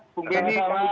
terima kasih bang benny